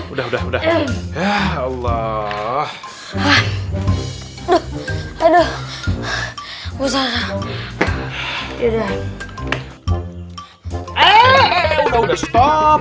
udah udah udah ya allah ah aduh aduh usaha tidak